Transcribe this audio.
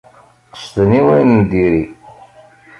Qesden i wayen n diri.